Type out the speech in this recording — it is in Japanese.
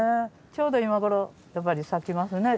ちょうど今頃やっぱり咲きますね。